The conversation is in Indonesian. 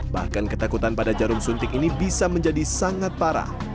bahkan ketakutan pada jarum suntik ini bisa menjadi sangat parah